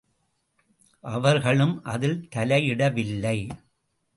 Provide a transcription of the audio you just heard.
அவர்களும் அதில் தலையிடவில்லை.